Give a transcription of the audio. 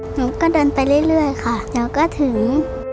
หนูก็เดินไปเรื่อยค่ะหนูก็ถึง